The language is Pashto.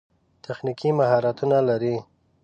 تخنیکي مهارتونه لري.